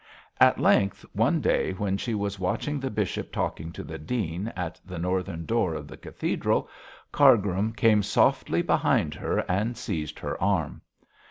At length one day when she was watching the bishop talking to the dean at the northern door of the cathedral, Cargrim came softly behind her and seized her arm.